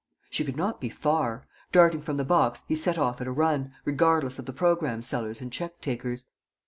She could not be far. Darting from the box, he set off at a run, regardless of the programme sellers and check takers.